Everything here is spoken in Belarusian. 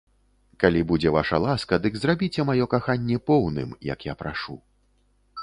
Калі будзе ваша ласка, дык зрабіце маё каханне поўным, як я прашу.